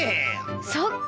そっか。